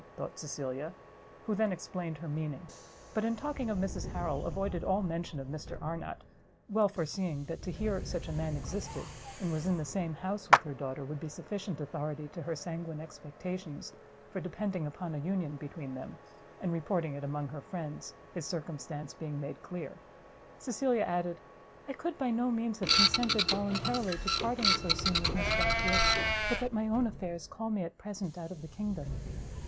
thought Cecilia; who then explained her meaning; but in talking of Mrs Harrel, avoided all mention of Mr Arnott, well foreseeing that to hear such a man existed, and was in the same house with her daughter, would be sufficient authority to her sanguine expectations, for depending upon a union between them, and reporting it among her friends, his circumstance being made clear, Cecilia added, "I could by no means have consented voluntarily to parting so soon with Miss Belfield, but that my own affairs call me at present out of the kingdom."